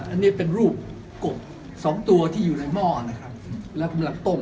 อันนี้เป็นรูปกบสองตัวที่อยู่ในหม้อนะครับแล้วกำลังต้ม